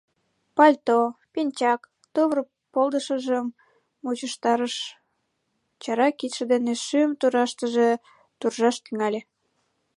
Пальто, пинчак, тувыр полдышыжым мучыштарыш, чара кидше дене шӱм тураштыже туржаш тӱҥале.